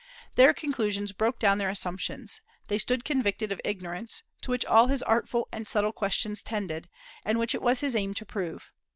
Their conclusions broke down their assumptions. They stood convicted of ignorance, to which all his artful and subtle questions tended, and which it was his aim to prove.